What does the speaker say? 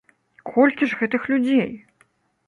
Колькі ж гэтых людзей?